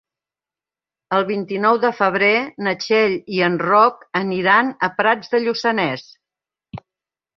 El vint-i-nou de febrer na Txell i en Roc aniran a Prats de Lluçanès.